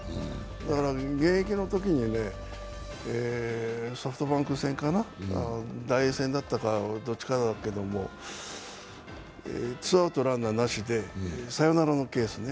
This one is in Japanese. だから現役のときにね、ソフトバンク戦かな、ダイエー戦だったかどっちかだったけれどもツーアウトランナーなしでサヨナラのケースね。